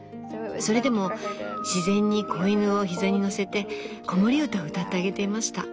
それでも自然に子犬を膝にのせて子守歌をうたってあげていました。